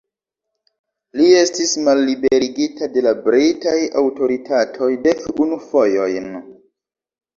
Li estis malliberigita de la britaj aŭtoritatoj dek unu fojojn.